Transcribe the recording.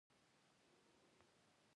خو کولینز وايي، مور او قوماندانه دواړه.